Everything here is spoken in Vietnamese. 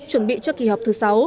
chuẩn bị cho kỳ họp thứ sáu